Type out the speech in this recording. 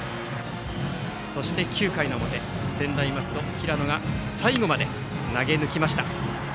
そして９回の表専大松戸の平野が最後まで投げぬきました。